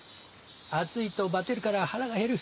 暑いとバテるから腹が減る。